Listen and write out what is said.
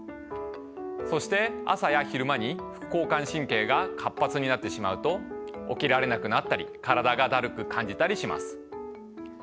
そして朝や昼間に副交感神経が活発になってしまうと起きられなくなったり体がだるく感じたりします。